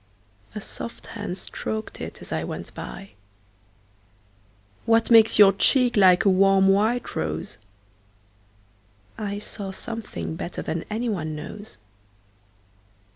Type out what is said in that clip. A soft hand strok'd it as I went by. What makes your cheek like a warm white rose?I saw something better than any one knows.